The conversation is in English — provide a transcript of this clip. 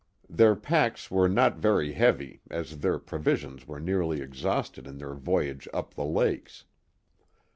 Their packs were not very heavy as their provisions were nearly exhausted in their voyage up the lakes.